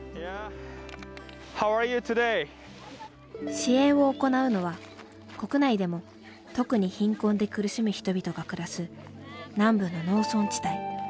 支援を行うのは国内でも特に貧困で苦しむ人々が暮らす南部の農村地帯。